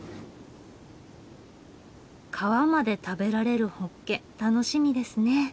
皮まで食べられるホッケ楽しみですね。